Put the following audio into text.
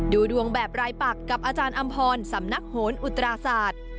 ดูดวงแบบรายปักกับอาจารย์อำพรสำนักโหนอุตราศาสตร์